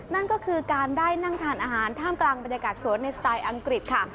นั่นก็คือการได้นั่งทานอาหารท่ามกลางบรรยากาศสวนในสไตล์อังกฤษค่ะ